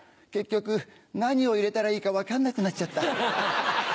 結局何を入れたらいいか分かんなくなっちゃった。